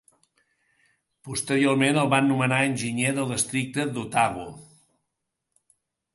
Posteriorment el van nomenar enginyer del districte d'Otago.